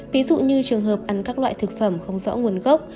ví dụ như trường hợp ăn các loại thực phẩm không rõ nguồn gốc